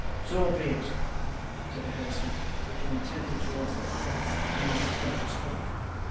'So be it!' said the horseman, looking intently towards the fire, and not at him who spoke.